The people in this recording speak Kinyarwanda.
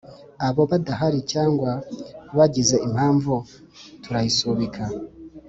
Abo badahari cyangwa bagize impamvu turayisubika